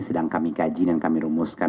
sedang kami kaji dan kami rumuskan